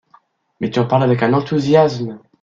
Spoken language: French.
…— Mais tu en parles avec un enthousiasme …